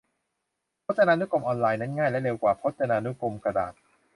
พจนานุกรมออนไลน์นั้นง่ายและเร็วกว่าพจนานุกรมกระดาษ